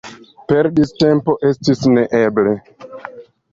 Perdi la tempon estis neeble.